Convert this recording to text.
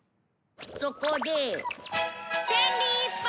そこで。